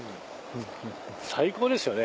最高ですよね